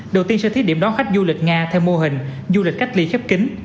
đầu tiên sẽ thiết điểm đón khách du lịch nga theo mô hình du lịch cách ly khép kính